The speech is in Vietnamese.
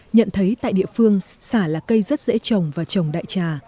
nhận thấy tại địa phương xả là cây rất dễ trồng và trồng đại trà